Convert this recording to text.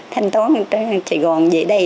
thanh tốn cho trài gòn vậy